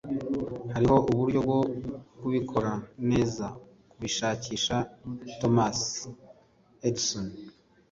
hariho uburyo bwo kubikora neza - kubishakisha. - thomas a. edison